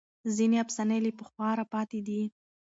ځینې افسانې له پخوا راپاتې دي.